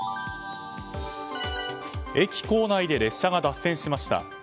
駅構内で列車が脱線しました。